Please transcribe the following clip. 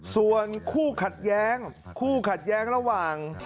ส่วนคู่ขัดแย้งคู่ขัดแย้งระหว่าง